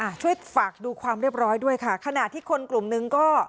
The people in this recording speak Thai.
ช่วยฝากดูความเรียบร้อยด้วยค่ะขณะที่คนกลุ่มนึงก็